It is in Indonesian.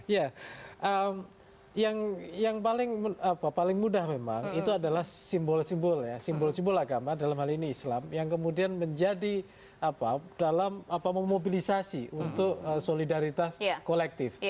ya yang paling mudah memang itu adalah simbol simbol ya simbol simbol agama dalam hal ini islam yang kemudian menjadi apa dalam memobilisasi untuk solidaritas kolektif